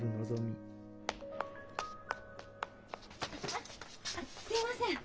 あっすみません。